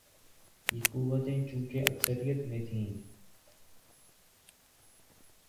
یہ قوتیں چونکہ اکثریت میں تھیں۔